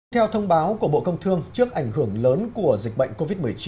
theo thông báo của bộ công thương trước ảnh hưởng lớn của dịch bệnh covid một mươi chín